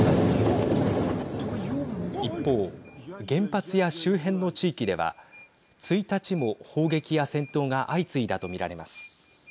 一方、原発や周辺の地域では１日も砲撃や戦闘が相次いだと見られます。